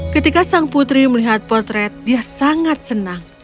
ketika sang putri melihat potret dia sangat senang